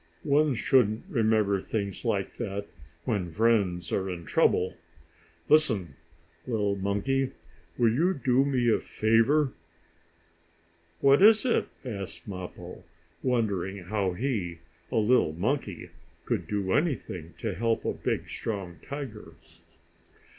One shouldn't remember things like that when friends are in trouble. Listen, little monkey, will you do me a favor?" "What is it?" asked Mappo, wondering how he, a little monkey, could do anything to help a big, strong tiger.